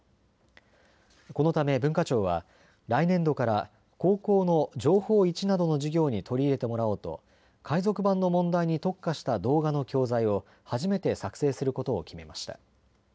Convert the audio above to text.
このため文化庁は来年度から高校の情報１などの授業に取り入れてもらおうと海賊版の問題に特化した動画の教材を初めて作成することを決めました。